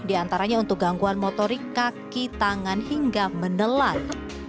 di antaranya untuk gangguan motorik kaki tangan hingga menelan